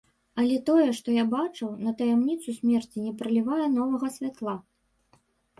Але тое, што я бачыў, на таямніцу смерці не пралівае новага святла.